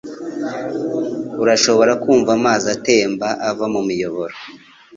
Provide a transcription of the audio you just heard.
Urashobora kumva amazi atemba ava mumiyoboro